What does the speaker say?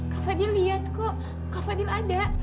kak fadil lihat kok kava fadil ada